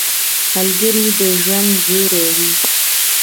ملګری د ژوند زېری وي